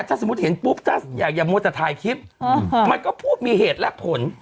ถ้าสมมุติเห็นปุ๊บถ้าอยากมัวแต่ถ่ายคลิปมันก็พูดมีเหตุและผล